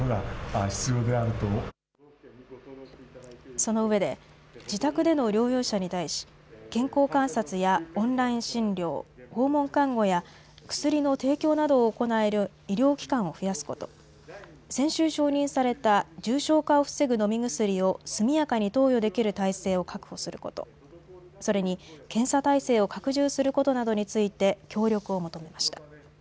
そのうえで自宅での療養者に対し、健康観察やオンライン診療、訪問看護や薬の提供などを行える医療機関を増やすこと、先週承認された重症化を防ぐ飲み薬を速やかに投与できる体制を確保すること、それに検査体制を拡充することなどについて協力を求めました。